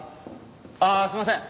ああすいません。